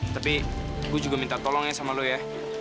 tapi gue juga minta tolong ya sama lo ya